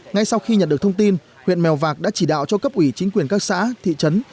ngay sau khi nhận được thông tin huyện mèo vạc đã chỉ đạo cho cấp ủy chính quyền các xã thị trấn